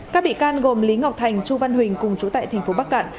các bị can gồm lý ngọc thành chu văn huỳnh cùng chú tại tp bắc cạn